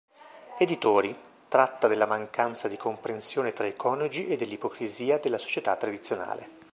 Editori: tratta della mancanza di comprensione tra i coniugi e dell'ipocrisia della società tradizionale.